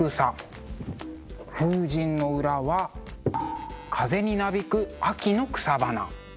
風神の裏は風になびく秋の草花。